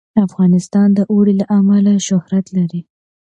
افغانستان د اوړي له امله شهرت لري.